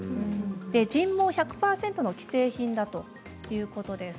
人毛１００％の既製品だということです。